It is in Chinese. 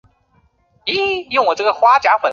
子何弘敬续领魏博军。